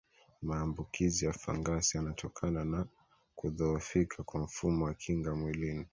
maambukizi ya fangasi yanatokana na kudhohofika kwa mfumo wa kinga mwilini